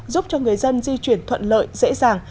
giúp cho người dân di chuyển thuận lợi dễ dàng